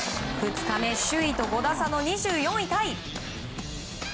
２日目、首位と５打差の２４位タイ。